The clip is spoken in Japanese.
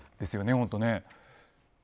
本当ね。